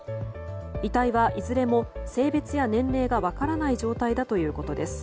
遺体はいずれも性別や年齢が分からない状態だということです。